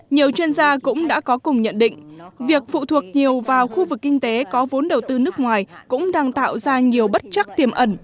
nhiều chuyên gia cũng đã có cùng nhận định việc phụ thuộc nhiều vào khu vực kinh tế có vốn đầu tư nước ngoài cũng đang tạo ra nhiều bất chắc tiềm ẩn